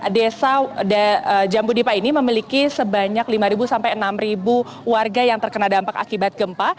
desa jambudipa ini memiliki sebanyak lima sampai enam warga yang terkena dampak akibat gempa